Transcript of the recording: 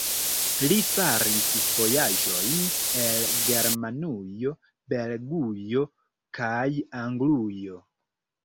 Li faris vojaĝojn al Germanujo, Belgujo kaj Anglujo.